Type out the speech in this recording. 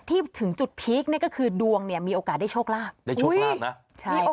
ถึงจุดพีคเนี่ยก็คือดวงเนี่ยมีโอกาสได้โชคลาภได้โชคลาภนะใช่